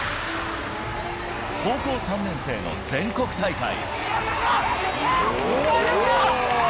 高校３年生の全国大会。